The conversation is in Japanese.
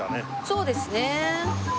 そうですね。